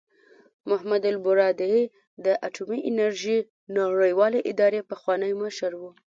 محمد البرادعي د اټومي انرژۍ نړیوالې ادارې پخوانی مشر و.